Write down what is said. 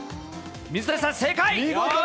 水谷さん、正解。